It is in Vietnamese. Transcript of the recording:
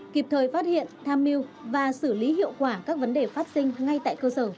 kịp thời phát hiện tham mưu và xử lý hiệu quả các vấn đề phát sinh ngay tại cơ sở